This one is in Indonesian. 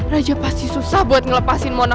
raja pasti susah buat ngelepasin mona